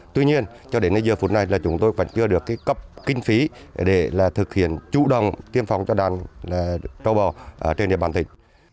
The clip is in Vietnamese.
tuy nhiên cho đến giờ phút này là chúng tôi vẫn chưa được cấp kinh phí để thực hiện chủ động tiêm phòng cho đàn châu bò trên địa bàn tỉnh